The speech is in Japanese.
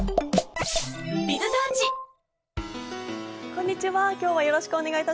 こんにちは今日はよろしくお願いいたします。